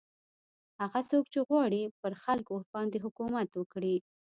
هغه څوک چې غواړي پر خلکو باندې حکومت وکړي.